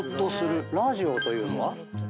ラジオというのは？